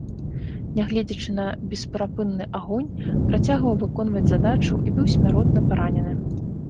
Нягледзячы на бесперапынны агонь, працягваў выконваць задачу і быў смяротна паранены.